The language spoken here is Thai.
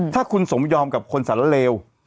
ถ้าคุณสมยอมกับคนสรรเลว